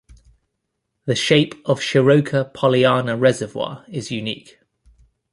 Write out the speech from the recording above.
The shape of Shiroka Poliana reservoir is unique.